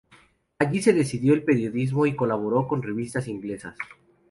Allí se dedicó al periodismo y colaboró con revistas inglesas.